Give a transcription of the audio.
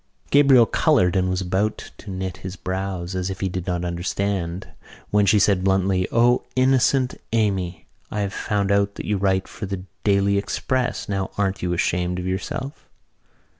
Gabriel coloured and was about to knit his brows, as if he did not understand, when she said bluntly: "O, innocent Amy! I have found out that you write for The Daily Express. Now, aren't you ashamed of yourself?"